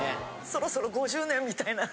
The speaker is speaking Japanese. そろそろ５０年みたいな。